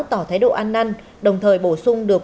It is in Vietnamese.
tỏ thái độ ăn năn đồng thời bổ sung được